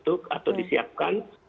untuk atau disiapkan